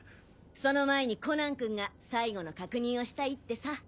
その前にコナン君が最後の確認をしたいってさ。